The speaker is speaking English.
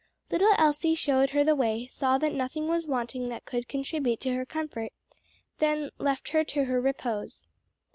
Little Elsie showed her the way, saw that nothing was wanting that could contribute to her comfort, then left her to her repose.